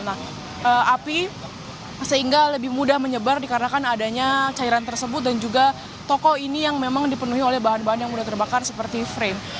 nah api sehingga lebih mudah menyebar dikarenakan adanya cairan tersebut dan juga toko ini yang memang dipenuhi oleh bahan bahan yang mudah terbakar seperti frame